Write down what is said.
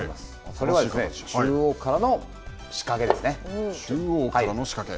それは中央からの仕掛けですね。